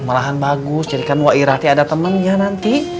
melahan bagus jadikan wak irati ada temennya nanti